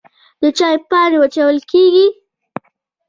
د چای پاڼې وچول کیږي